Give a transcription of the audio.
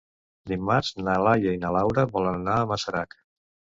Dimarts na Laia i na Laura volen anar a Masarac.